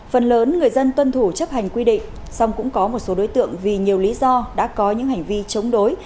phần lớn người dân tuân thủ chấp hành quy định xong cũng có một số đối tượng vì nhiều lý do đã có những hành vi chống đối